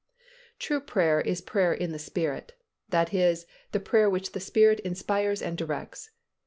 True prayer is prayer "in the Spirit," that is, the prayer which the Spirit inspires and directs.